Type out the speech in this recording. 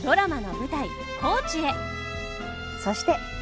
そして。